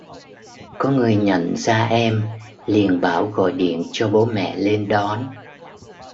có người nhận ra em liền bảo gọi điện cho bố mẹ lên đón